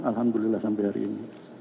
alhamdulillah sampai hari ini